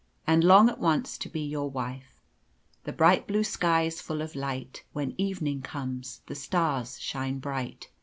And long at once to be your wife. The bright blue sky is full of light, When evening comes the stars shine bright.